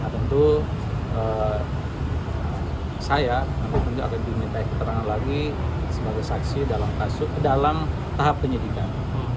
tentu saya akan diminta ikut terang lagi sebagai saksi dalam tahap penyidikan